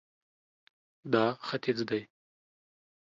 دا ختیځ دی